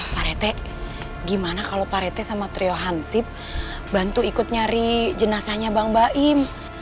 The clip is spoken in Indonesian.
pak rete gimana kalau pak rete sama trio hansip bantu ikut nyari jenazahnya bang baim